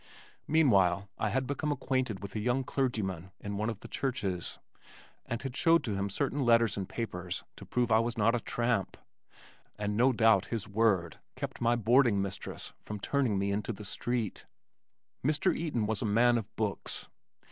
Meanwhile I had become acquainted with a young clergyman in one of the churches, and had showed to him certain letters and papers to prove that I was not a tramp, and no doubt his word kept my boarding mistress from turning me into the street. Mr. Eaton was a man of books.